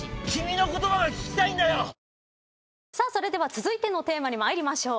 続いてのテーマに参りましょう。